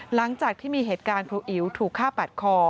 หลังจากที่มีเหตุการณ์ครูอิ๋วถูกฆ่าปาดคอ